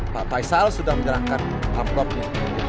pak faisal sudah menyerahkan amplopnya